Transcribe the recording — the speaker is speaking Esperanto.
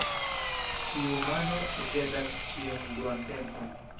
Ĉiu mano ĵetas ĉiun duan tempon.